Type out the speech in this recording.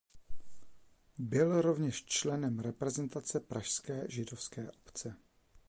Byl rovněž členem reprezentace pražské židovské obce.